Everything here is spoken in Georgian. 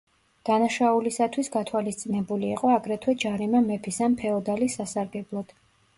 დანაშაულისათვის გათვალისწინებული იყო აგრეთვე ჯარიმა მეფის ან ფეოდალის სასარგებლოდ.